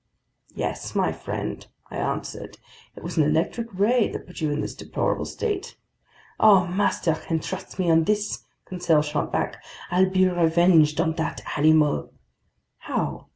"Yes, my friend," I answered, "it was an electric ray that put you in this deplorable state." "Oh, master can trust me on this," Conseil shot back. "I'll be revenged on that animal!" "How?"